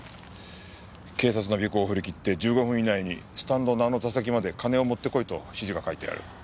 警察の尾行をふりきって１５分以内にスタンドのあの座席まで金を持ってこいと指示が書いてある。